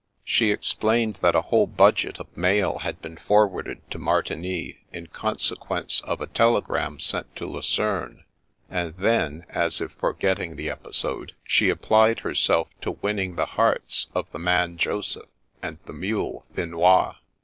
She explained that a whole budget of mail " had been forwarded to Martigny, in consequence of a telegram sent to Lu cerne, and then, as if forgetting the episode, she ap plied herself to winning the hearts of the man Joseph and the mule Finois.